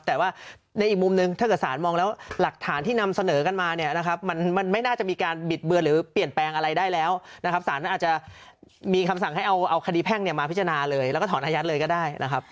แต่ว่าในอีกมุมหนึ่งถ้าเกิดสารมองแล้วหลักฐานที่นำเสนอกันมาเนี่ยนะครับมันไม่น่าจะมีการบิดเบือนหรือเปลี่ยนแปลงอะไรได้แล้วนะครับสารนั้นอาจจะมีคำสั่งให้เอาคดีแพ่งเนี่ยมาพิจารณาเลยแล้วก็ถอนอายัดเลยก็ได้นะครับ